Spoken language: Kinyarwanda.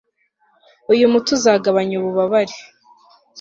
uyu muti uzagabanya ububabare